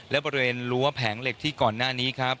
และบริเวณรั้วแผงเหล็กที่ก่อนหน้านี้ครับ